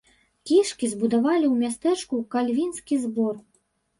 Кішкі збудавалі ў мястэчку кальвінскі збор.